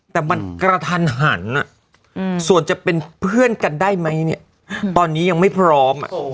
แต่มันกระทันหันส่วนจะเป็นเพื่อนกันได้ไหมเนี่ยตอนนี้ยังไม่พร้อม